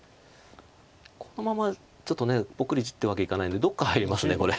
このままちょっとポクリってわけにはいかないのでどっか入りますこれ。